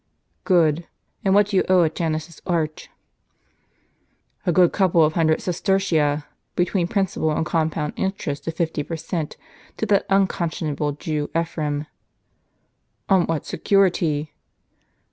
" Good : and what do you owe at Janus' s arch ?"* "A good couple of hundred sestertia,t between principal and compound interest at fifty per cent, to that unconscionable Jew Ephraim." " On what security